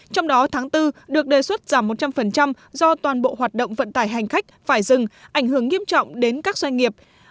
trong đó tháng bốn được đề xuất giảm một trăm linh do toàn bộ hoạt động vận tải hành khách phải dừng ảnh hưởng nghiêm trọng đến các doanh nghiệp